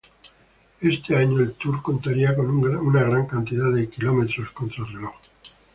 Este año el Tour contaría con una gran cantidad de kilómetros contra el reloj.